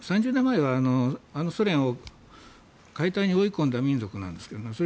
３０年前はあのソ連を解体に追い込んだ民族なんですけどね。